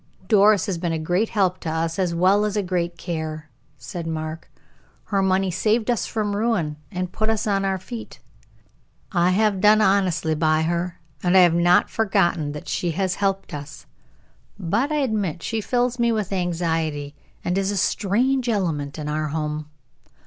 "Doris has been a great help to us, as well as a great care," said Mark. "Her money saved us from ruin, and put us on our feet. I have done honestly by her, and have not forgotten that she has helped us. But I admit she fills me with anxiety, and is a strange element in our home.